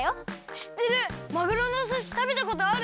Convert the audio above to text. しってるまぐろのおすしたべたことある。